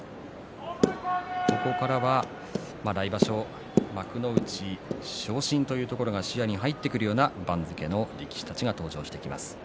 ここからは来場所幕内昇進というところが視野に入ってくるような番付の力士たちが登場してきます。